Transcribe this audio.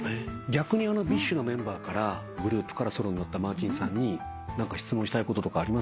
逆にＢｉＳＨのメンバーからグループからソロになったマーチンさんに何か質問したいこととかあります？